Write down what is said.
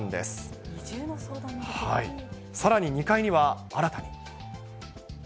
さらに、２階には新たに。